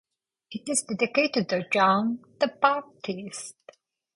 It is dedicated to John the Baptist.